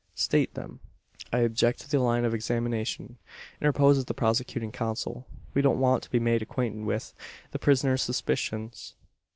"State them." "I object to the line of examination," interposes the prosecuting counsel. "We don't want to be made acquainted with, the prisoner's suspicions.